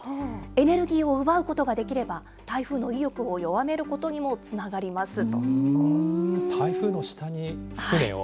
エネルギーを奪うことができれば、台風の威力を弱めることにもつな台風の下に船を？